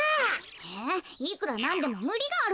えいくらなんでもむりがあるわよ。